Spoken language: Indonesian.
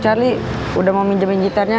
charlie udah mau minjemin gitarnya